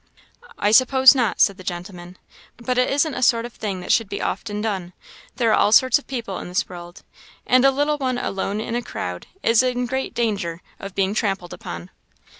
"I suppose not," said the gentleman; "but it isn't a sort of thing that should be often done. There are all sorts of people in this world, and a little one alone in a crowd is in danger of being trampled upon."